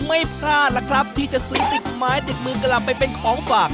ไม่พลาดล่ะครับที่จะซื้อติดไม้ติดมือกลับไปเป็นของฝาก